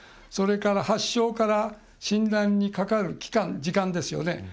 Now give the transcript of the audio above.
それから発症から診断にかかる期間、時間ですよね。